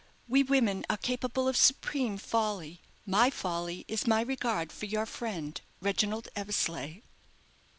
We women are capable of supreme folly. My folly is my regard for your friend Reginald Eversleigh."